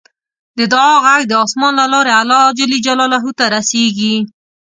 د دعا غږ د اسمان له لارې الله ته رسیږي.